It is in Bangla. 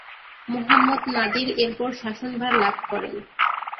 মুহাম্মদ নাদির এরপর শাসনভার লাভ করেন।